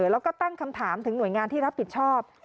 แล้วก็ตั้งคำถามถึงหน่วยงานที่รับผิดชอบ